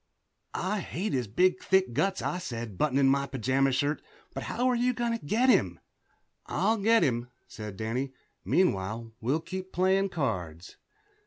"I hate his big thick guts," I said, buttoning my pajama shirt, "but how are you going to get him?" "I'll get him," said Danny. "Meanwhile, we'll keep playing cards."